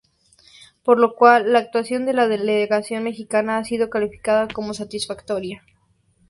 Por lo cual, la actuación de la delegación mexicana ha sido calificada como satisfactoria.